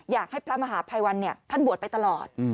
อยากให้พระมหาภัยวันท่านบวชไปตลอด